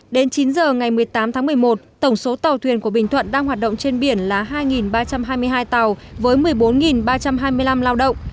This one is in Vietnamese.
đến chín giờ ngày một mươi tám tháng một mươi một tổng số tàu thuyền của bình thuận đang hoạt động trên biển là hai ba trăm hai mươi hai tàu với một mươi bốn ba trăm hai mươi năm lao động